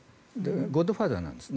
ゴッドファーザーなんですね。